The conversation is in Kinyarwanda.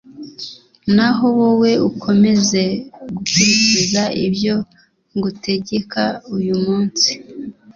naho wowe ukomeze gukurikiza ibyo ngutegeka uyu munsi